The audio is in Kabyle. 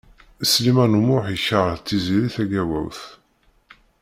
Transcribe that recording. Sliman U Muḥ yekṛeh Tiziri Tagawawt.